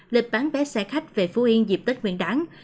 lịch bán vé xe khách về phú yên dịp tết nguyên đáng